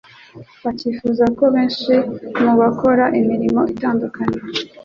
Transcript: bakifuza ko benshi mu bakora imirimo itandukanye